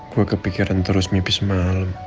gue kepikiran terus mipis malem